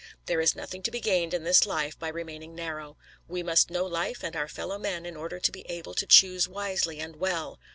There is nothing to be gained in this life by remaining narrow. We must know life and our fellowmen in order to be able to choose wisely and well.